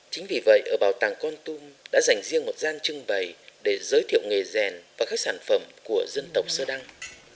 chính vì vậy ở bảo tàng con tum đã dành riêng một gian trưng bày để giới thiệu nghề rèn và các sản phẩm của dân tộc sơ đăng